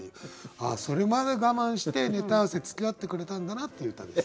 それまで我慢してネタ合わせつきあってくれたんだなっていう歌です。